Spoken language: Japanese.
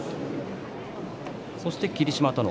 そして霧島との。